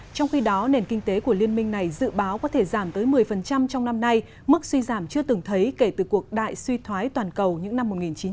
trong khi đó nền kinh tế của liên minh này dự báo có thể giảm tới một mươi trong năm nay mức suy giảm chưa từng thấy kể từ cuộc đại suy thoái toàn cầu những năm một nghìn chín trăm bảy mươi